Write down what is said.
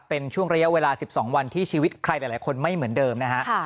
เป็นช่วงระยะเวลา๑๒วันที่ชีวิตใครหลายคนไม่เหมือนเดิมนะฮะ